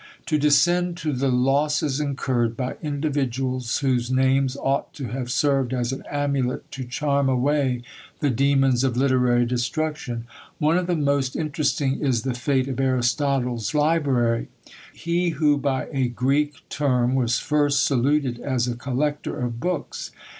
To descend to the losses incurred by individuals, whose names ought to have served as an amulet to charm away the demons of literary destruction. One of the most interesting is the fate of Aristotle's library; he who by a Greek term was first saluted as a collector of books!